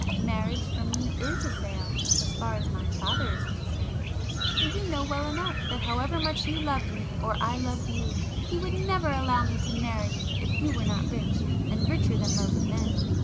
Marriage for me is a sale, as far as my father is concerned,—for you know well enough that however much you loved me or I loved you, he would never allow me to marry you if you were not rich, and richer than most men.